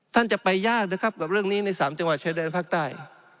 ท่านจะไปยากนะครับกับเรื่องนี้ใน๓จังหวัดชายแดนภาคใต้